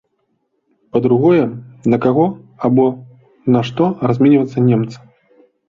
Па-другое, на каго або на што разменьвацца немцам?